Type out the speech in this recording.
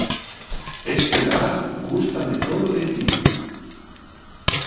"Este Nadal gústame todo de ti".